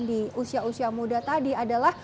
di usia usia muda tadi adalah